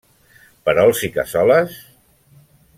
Perols i cassoles?